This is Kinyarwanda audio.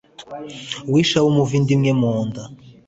wishe abo muva inda imwe mu nda